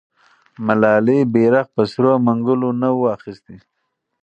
ملالۍ بیرغ په سرو منګولو نه و اخیستی.